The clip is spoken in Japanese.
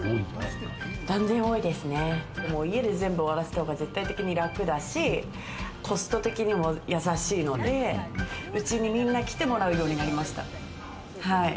家で全部終わらせた方が絶対的に楽だし、コスト的にも優しいのでうちに、みんな来てもらうようになりました。